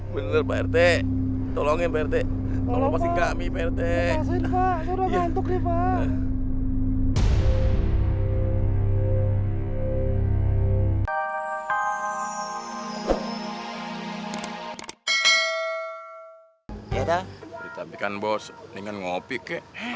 bener pak rt tolongnya berdek kalau masih kami berdek